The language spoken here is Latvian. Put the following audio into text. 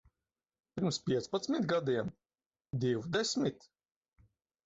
Pirms piecpadsmit gadiem? Divdesmit?